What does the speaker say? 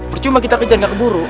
bercuma kita kejar nggak keburu